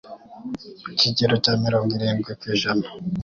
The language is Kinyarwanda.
ku kigero cya mirongo irindwi kwi jana.